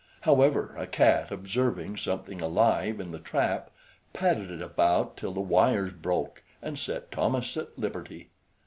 However, a cat, observing something alive in the trap, patted it about till the wires broke, and set Thomas at liberty.